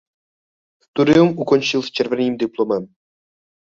Studium ukončil s červeným diplomem.